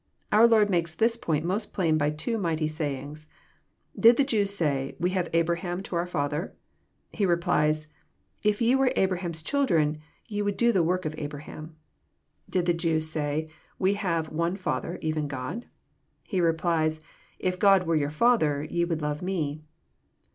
Our Lord makes this point most plain by two mighty sayings. Did the Jews say, "We have Abraham to our father "? He replies, " If ye were Abra ham's children ye would do the work of Abraham." — ^Did the Jews say, "We have one Father, even God"? He replies, " If God were your Father ye would love Me."